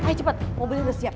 ayo cepat mobilnya udah siap